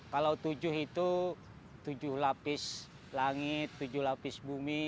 kalau tujuh itu tujuh lapis langit tujuh lapis bumi